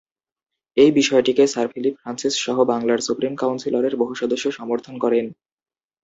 এই বিষয়টিকে sir Philip ফ্রান্সিস-সহ বাংলার সুপ্রিম কাউন্সিলের বহু সদস্য সমর্থন করেন।